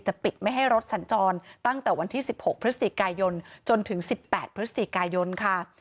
จะปิดไม่ให้รถสัญจรตั้งแต่วันที่๑๖พกจนถึง๑๘พกค่ะ